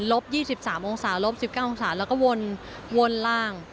บ๒๓องศาลบ๑๙องศาแล้วก็วนล่าง